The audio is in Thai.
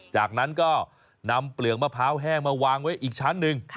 จากนั้นก็นำเปลือกมะพร้าวแห้งมาวางไว้อีกชั้นหนึ่ง